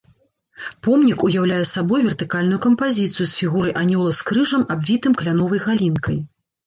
Помнік уяўляе сабой вертыкальную кампазіцыю з фігурай анёла з крыжам, абвітым кляновай галінкай.